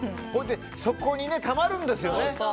そこにたまるんですよね。